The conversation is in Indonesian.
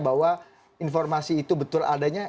bahwa informasi itu betul adanya